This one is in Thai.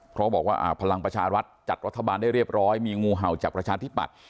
เพราะบอกว่าพลังประชารัฐจัดรัฐบาลได้เรียบร้อยมีงูเห่าจากประชาธิปัตย์